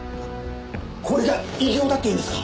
これが偉業だっていうんですか？